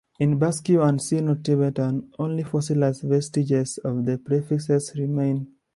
In Basque and Sino-Tibetan, only fossilized vestiges of the prefixes remain.